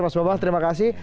mas bama terima kasih